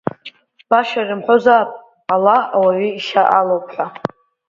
Баша ирымҳәозаап Ала Ауаҩы ишьа алоуп ҳәа.